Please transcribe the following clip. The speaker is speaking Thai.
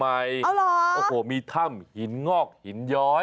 เอาเหรอมีอะไรเด็ดโอ้โหมีถ้ำหินงอกหินย้อย